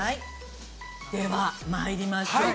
ではまいりましょう。